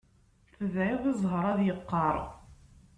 Tedɛiḍ i zzheṛ ad yeqqaṛ.